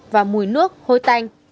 và mùi nước hôi tanh